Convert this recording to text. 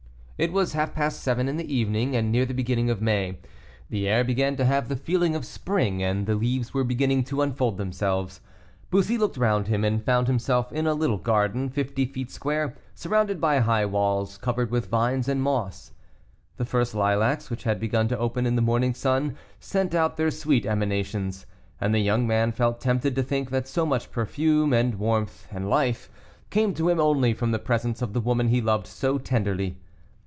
It was half past seven in the evening, and near the beginning of May; the air began to have the feeling of spring, and the leaves were beginning to unfold themselves. Bussy looked round him, and found himself in a little garden fifty feet square, surrounded by high walls covered with vines and moss. The first lilacs which had begun to open in the morning sun sent out their sweet emanations, and the young man felt tempted to think that so much perfume and warmth and life came to him only from the presence of the woman he loved so tenderly.